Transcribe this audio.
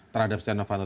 terhadap setia novanto